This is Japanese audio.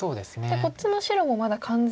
こっちの白もまだ完全じゃない。